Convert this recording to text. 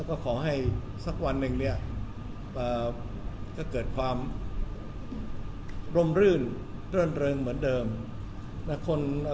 คือตรงนี้เราไม่ใช่มีอยู่ในความรู้สึก